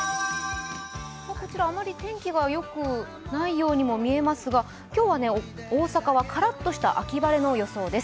こちら、あまり天気がよくないようにも見えますが今日は大阪はカラッとした秋晴れの予想です。